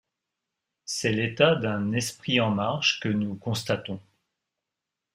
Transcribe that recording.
C’est l’état d’un esprit en marche que nous constatons.